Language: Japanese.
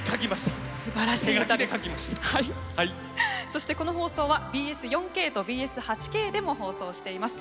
そしてこの放送はＢＳ４ＫとＢＳ８Ｋでも放送しています。